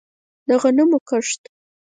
د غنمو کښت